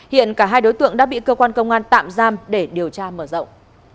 hiện cả hai đối tượng đã bị cơ quan công an tạm giam để điều tra mở rộng